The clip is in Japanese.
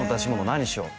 何にしよう？